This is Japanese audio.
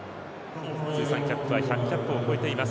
通算キャップは１００キャップを超えています。